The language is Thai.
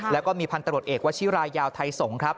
แล้วก็มีพันตรวจเอกวชิรายาวไทยสงศ์ครับ